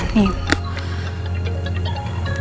nih inget ya